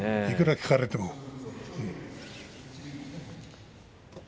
いくら聞かれても。